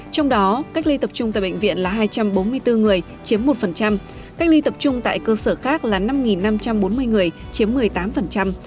trong đó cách ly tập trung tại bệnh viện là hai trăm bốn mươi bốn người chiếm một cách ly tập trung tại cơ sở khác là năm năm trăm bốn mươi người chiếm một mươi tám